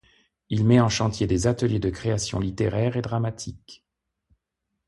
Il met en chantier des ateliers de création littéraire et dramatique.